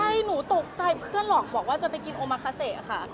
ใช่หนูตกใจเพื่อนหรอกบอกว่าจะไปกินโอมาคาเซค่ะ